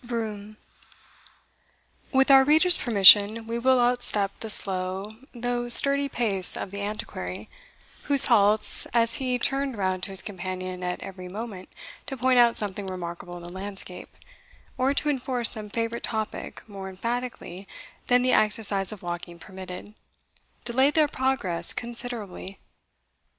Brome. With our reader's permission, we will outstep the slow, though sturdy pace of the Antiquary, whose halts, as he, turned round to his companion at every moment to point out something remarkable in the landscape, or to enforce some favourite topic more emphatically than the exercise of walking permitted, delayed their progress considerably.